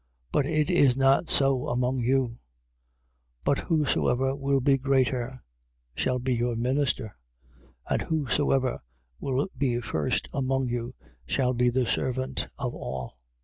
10:43. But it is not so among you: but whosoever will be greater shall be your minister. 10:44. And whosoever will be first among you shall be the servant of all.